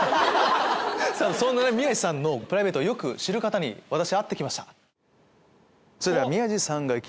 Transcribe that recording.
さぁそんな宮治さんのプライベートをよく知る方に私会って来ました。